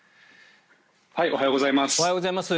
おはようございます。